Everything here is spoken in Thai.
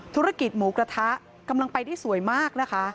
ธุรกิจหมูกระทะกำลังไปได้สวยมากนะคะ